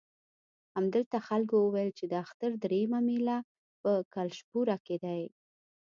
همدلته خلکو وویل چې د اختر درېیمه مېله په کلشپوره کې ده.